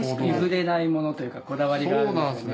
譲れないものというかこだわりがあるんですよね。